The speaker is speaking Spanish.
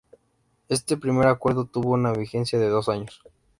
Este primer acuerdo tuvo una vigencia de dos años.